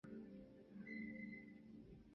南京朝天宫冶山原有卞壸祠墓。